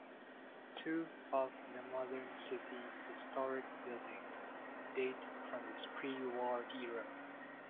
Two of the modern city's historic buildings date from this prewar era.